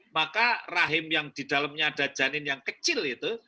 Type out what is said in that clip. maka rahim yang didalamnya ada janin yang kecil itu